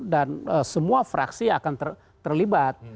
dan semua fraksi akan terlibat